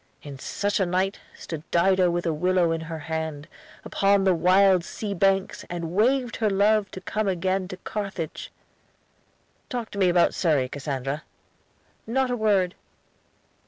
'" '"In such a night, Stood Dido with a willow in her hand, Upon the wild sea banks, and waved her love To come again to Carthage.'" "Talk to me about Surrey, Cassandra." "Not a word."